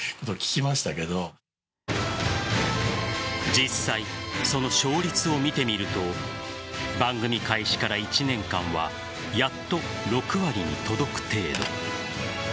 実際、その勝率を見てみると番組開始から１年間はやっと６割に届く程度。